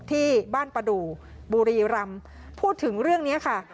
ที่บ้านประดูกบุรีรำพูดถึงเรื่องนี้ค่ะ